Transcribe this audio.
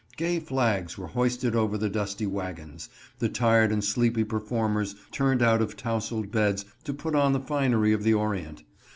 Gay flags were hoisted over the dusty wagons; the tired and sleepy performers turned out of tousled beds to put on the finery of the Orient.